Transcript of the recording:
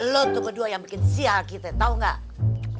lo tuh berdua yang bikin sia kita tau gak